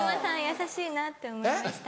優しいなって思いました。